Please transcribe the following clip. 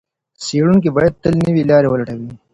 څېړونکي باید تل نوې لارې ولټوي.